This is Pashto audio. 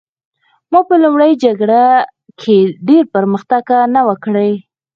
ما په لومړۍ جګړه کې ډېر پرمختګ نه و کړی